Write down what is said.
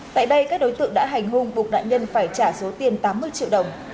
tại đây các đối tượng đã hành hung buộc nạn nhân phải trả số tiền tám mươi triệu đồng